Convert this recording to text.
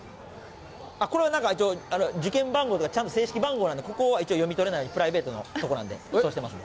これはなんか一応、受験番号とか、ちゃんと正式番号なんで、ここは一応読み取れない、プライベートのとこなんで、そうしてます。